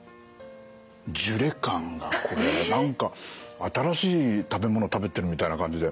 ジュレ感がこれ何か新しい食べ物食べてるみたいな感じで。